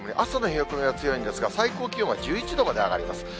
朝の冷え込みは強いんですが、最高気温は１１度まで上がります。